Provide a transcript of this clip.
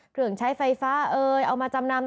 เครื่องใช้ไฟฟ้าเอ่ยเอามาจำนำ